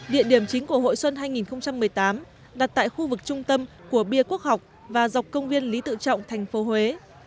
địa điểm chính của hội xuân hai nghìn một mươi tám đặt tại khu vực trung tâm của bia quốc học và dọc công viên lý tự trọng thành phố huế